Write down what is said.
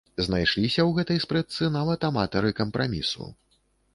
Знайшліся ў гэтай спрэчцы нават аматары кампрамісу.